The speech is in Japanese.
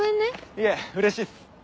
いえうれしいっす。